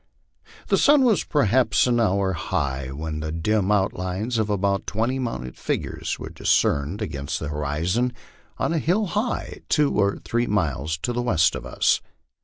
The sun was perhaps an hour high when the dim outlines of about twenty mounted figures were discerned against the horizon, on a high hill, two or three miles to the west of us.